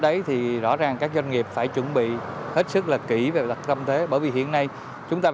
đấy thì rõ ràng các doanh nghiệp phải chuẩn bị hết sức là kỹ về đặt tâm thế bởi vì hiện nay chúng ta